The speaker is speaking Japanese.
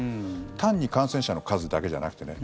単に感染者の数だけじゃなくて。